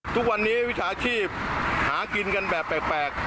ทุกวันนี้วิชาชีพหากินกันแบบแปลก